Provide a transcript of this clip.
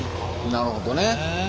なるほどね。